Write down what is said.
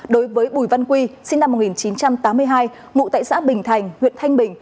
đối với bùi văn quy sinh năm một nghìn chín trăm tám mươi hai ngụ tại xã bình thành huyện thanh bình